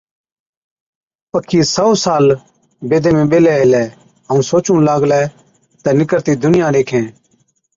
پکِي سئو سال بيدي ۾ ٻيهلَي هِلَي ائُون سوچُون لاگلي تہ نِڪرتِي دُنيا ڏيکَين